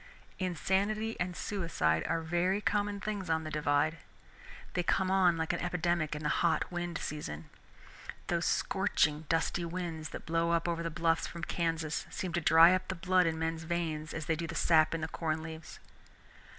Insanity and suicide are very common things on the Divide. They come on like an epidemic in the hot wind season. Those scorching dusty winds that blow up over the bluffs from Kansas seem to dry up the blood in men's veins as they do the sap in the corn leaves.